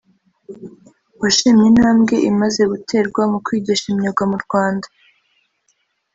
washimye intambwe imaze guterwa mu kwigisha imyuga mu Rwanda